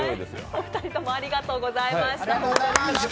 お二人ともありがとうございました。